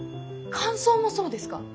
乾燥もそうですか？